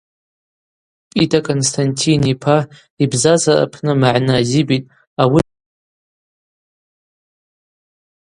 Пӏитӏа Константин йпа йбзазара апны магӏны азибитӏ ауысква ращтацаща адгалра.